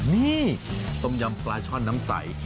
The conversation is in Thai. นี่ต้มยำปลาช่อนน้ำใส